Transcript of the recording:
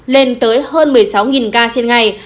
lên tới hơn một mươi sáu ca trên ngày